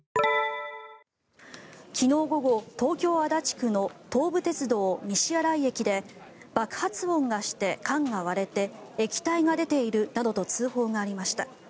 昨日午後、東京・足立区の東武鉄道西新井駅で爆発音がして缶が割れて液体が出ているなどと通報がありました。